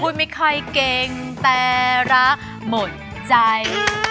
ไม่ค่อยเก่งแต่รักหมดใจ